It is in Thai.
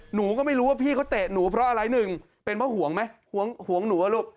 หนูก็ไม่รู้ว่าพี่เขาเตะหนูเพราะอะไรหนึ่งเป็นเพราะห่วงไหมห่วงหนูอะลูก